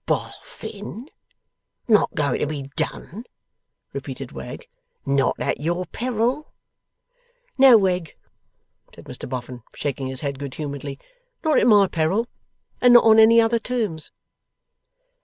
'Bof fin! Not going to be done?' repeated Wegg. 'Not at your peril?' 'No, Wegg,' said Mr Boffin, shaking his head good humouredly. 'Not at my peril, and not on any other terms.